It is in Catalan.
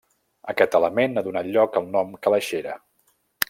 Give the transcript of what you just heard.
Aquest element ha donat lloc al nom calaixera.